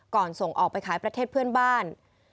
ส่งออกไปขายประเทศเพื่อนบ้าน